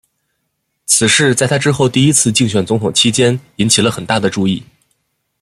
此事在他之后第一次竞选总统期间引起了很大的注意。